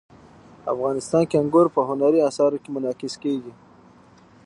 افغانستان کې انګور په هنري اثارو کې منعکس کېږي.